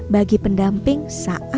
bagi pendamping saat rawatan